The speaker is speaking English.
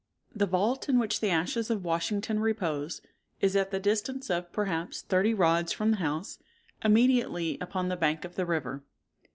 The vault in which the ashes of Washington repose, is at the distance of, perhaps, thirty rods from the house, immediately upon the bank of the river.